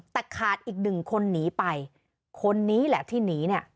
แต่ขาดอีกหนึ่งคนหนีไปคนนี้แหละที่หนีเนี่ย